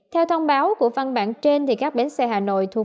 theo thông báo của văn bản trên các bến xe hà nội thuộc